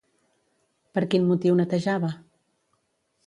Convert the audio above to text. Per quin motiu netejava?